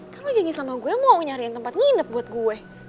kan lo janji sama gue mau nyariin tempat nginep buat gue